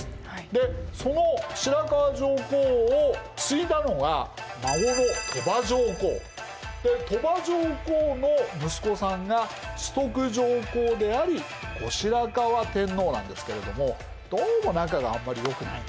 でその白河上皇を継いだのが孫の鳥羽上皇。で鳥羽上皇の息子さんが崇徳上皇であり後白河天皇なんですけれどもどうも仲があんまり良くない。